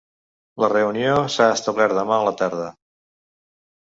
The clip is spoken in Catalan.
La reunió s'ha establert demà a la tarda.